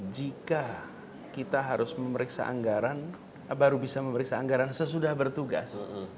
jika kita harus memeriksa anggaran baru bisa memeriksa anggaran sesudah bertugas